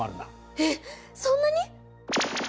えっそんなに？